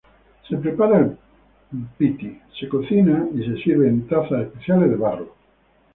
El piti se prepara, cocina y se sirve en tasas especiales de barro.